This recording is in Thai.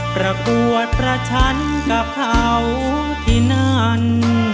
ประกวดประชันกับเขาที่นั่น